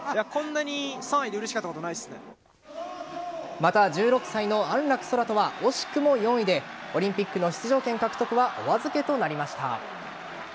また、１６歳の安楽宙斗は惜しくも４位でオリンピックの出場権獲得はお預けとなりました。